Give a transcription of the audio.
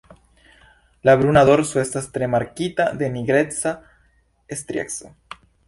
La bruna dorso estas tre markita de nigreca strieco.